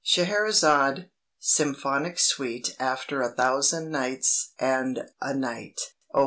"SCHEHERAZADE," SYMPHONIC SUITE AFTER "A THOUSAND NIGHTS AND A NIGHT": Op.